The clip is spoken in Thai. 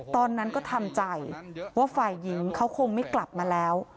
ตอนนั้นก็ทำใจว่าฝ่ายหญิงเขาคงไม่กลับมาแล้ว